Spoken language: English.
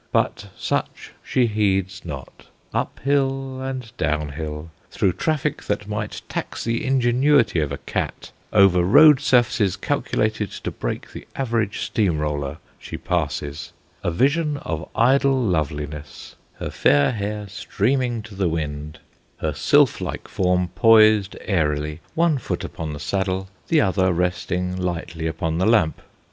But such she heeds not. Uphill and downhill, through traffic that might tax the ingenuity of a cat, over road surfaces calculated to break the average steam roller she passes, a vision of idle loveliness; her fair hair streaming to the wind, her sylph like form poised airily, one foot upon the saddle, the other resting lightly upon the lamp.